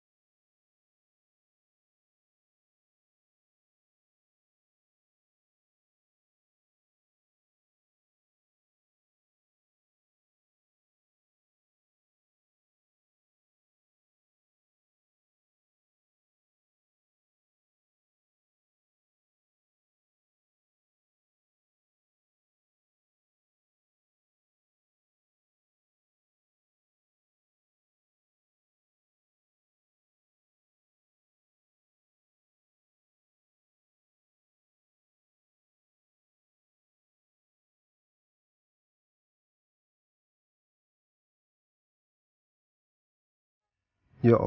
apa yang akan terjadi ya